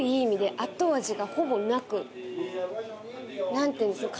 何て言うんでしょう。